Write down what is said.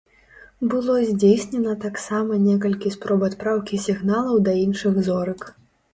Было здзейснена таксама некалькі спроб адпраўкі сігналаў да іншых зорак.